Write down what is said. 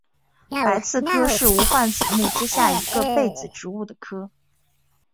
白刺科是无患子目之下一个被子植物的科。